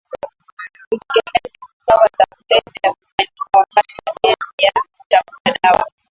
Utegemezi dawa za kulevya hufanyika wakati tabia ya kutafuta dawa